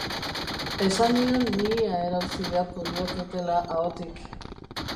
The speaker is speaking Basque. Esan nion mihia erauzi beharko lioketela ahotik.